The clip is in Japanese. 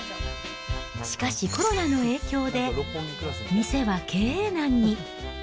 しかし、コロナの影響で、店は経営難に。